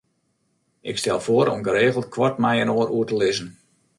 Ik stel foar om geregeld koart mei-inoar oer te lizzen.